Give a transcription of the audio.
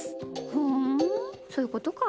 ふん、そういうことか。